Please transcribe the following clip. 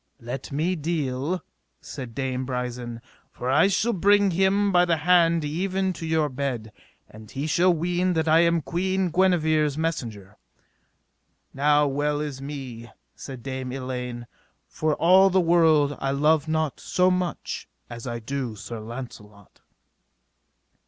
Let me deal, said Dame Brisen, for I shall bring him by the hand even to your bed, and he shall ween that I am Queen Guenever's messenger. Now well is me, said Dame Elaine, for all the world I love not so much as I do Sir Launcelot.